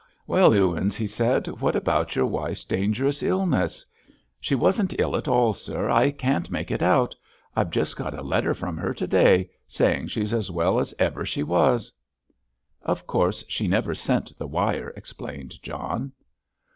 "Well, Ewins," he said, "what about your wife's dangerous illness?" "She wasn't ill at all, sir. I can't make it out—I've just got a letter from her to day, saying she's as well as ever she was." "Of course, she never sent the wire," explained John.